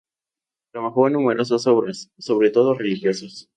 Trabajó en numerosas obras, sobre todo religiosas.